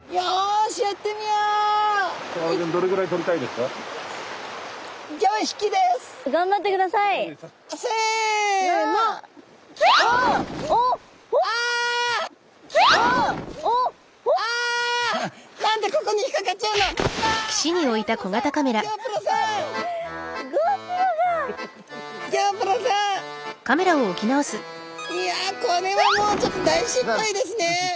いやこれはもうちょっと大失敗ですね。